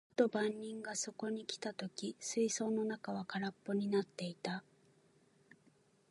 ある朝、ふと番人がそこに来た時、水槽の中は空っぽになっていた。